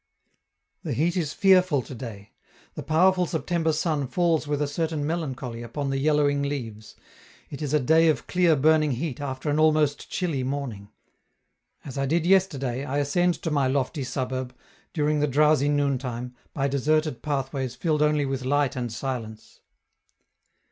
The heat is fearful to day: the powerful September sun falls with a certain melancholy upon the yellowing leaves; it is a day of clear burning heat after an almost chilly morning. As I did yesterday, I ascend to my lofty suburb, during the drowsy noontime, by deserted pathways filled only with light and silence.